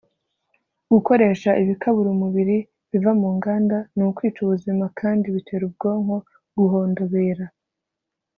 gukoresha ibikabura umubiri biva mu nganda ni ukwica ubuzima kandi bitera ubwonko guhondobera